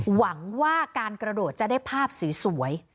หวังว่าการกระโดดจะได้ภาพสวย